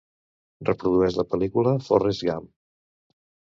Reprodueix la pel·lícula "Forrest Gump".